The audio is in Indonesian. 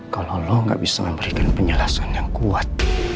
kalau allah gak bisa memberikan penjelasan yang kuat